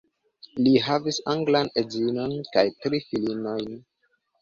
Li havis anglan edzinon kaj tri filinojn.